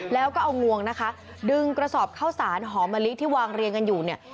แล้วก็เอางวงนะคะดึงกระสอบข้าวสารหอมะลิที่วางเรียงกันอยู่เนี่ย